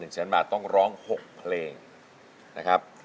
แสนบาทต้องร้อง๖เพลงนะครับ